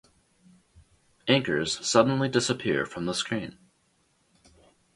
Anchors suddenly disappear from the screen.